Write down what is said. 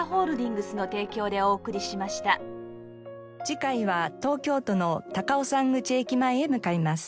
次回は東京都の高尾山口駅前へ向かいます。